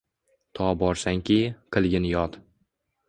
To borsanki, qilgin yod.